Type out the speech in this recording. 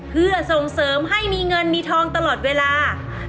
เพื่อส่งเสริมให้มีเงินมีทองตลอดเวลา